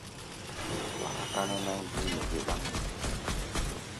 Wa á káná náŋ bíí nɛ dé ɗáŋmɔ.